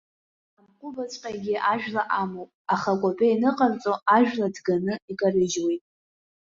Амҟәыбаҵәҟьагьы ажәла амоуп, аха акәапеи аныҟарҵо, ажәла ҭганы икарыжьуеит!